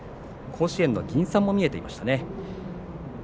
甲子園の銀傘も見えていましたね。